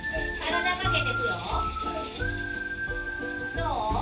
どう？